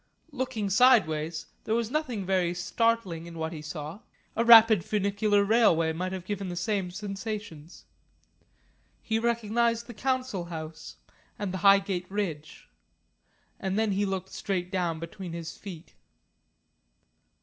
Looking sideways, there was nothing very startling in what he saw a rapid funicular railway might have given the same sensations. He recognised the Council House and the Highgate Ridge. And then he looked straight down between his feet.